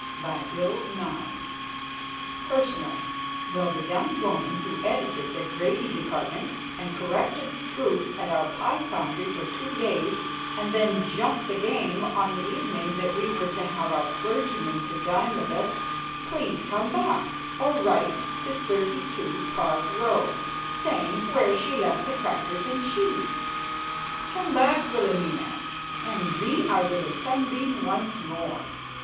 PERSONAL Will the young woman who edited the gravy department and corrected proof at our pie foundry for two days and then jumped the game on the evening that we were to have our clergyman to dine with us, please come back, or write to 32 Park Row, saying where she left the crackers and cheese? Come back, Wilhelmina, and be our little sunbeam once more.